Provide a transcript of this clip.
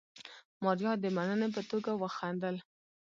ماريا د مننې په توګه وخندل.